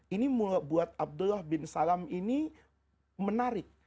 ini buat abdullah bin salam ini menarik